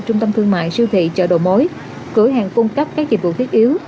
trung tâm thương mại siêu thị chợ đồ mối cửa hàng cung cấp các dịch vụ thiết yếu